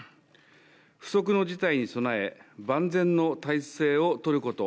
不測の事態に備え、万全の態勢をとること。